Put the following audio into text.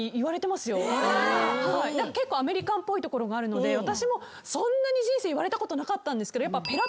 結構アメリカンっぽいところがあるので私もそんなに人生言われたことなかったんですけど。